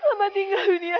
selamat tinggal dunia